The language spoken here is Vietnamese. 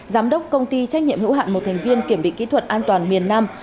giám đốc công ty trách nhiệm hữu hạn một thành viên kiểm định kỹ thuật an toàn miền nam